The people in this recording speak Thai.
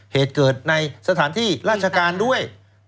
เหตุเกิดในสถานที่ราชการด้วย